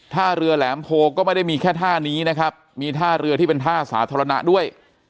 ท่าเรือแหลมโพก็ไม่ได้มีแค่ท่านี้นะครับมีท่าเรือที่เป็นท่าสาธารณะด้วย